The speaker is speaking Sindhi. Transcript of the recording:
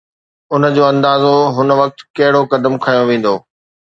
ان جو اندازو هن وقت ڪھڙو قدم کنيو ويندو.